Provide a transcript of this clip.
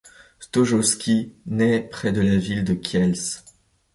Stojowski naît près de la ville de Kielce.